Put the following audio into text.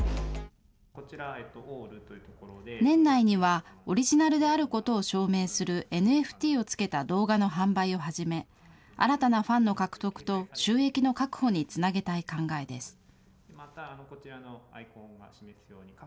年内には、オリジナルであることを証明するＮＦＴをつけた動画の販売を始め、新たなファンの獲得と収益の確保につなげたい考えです。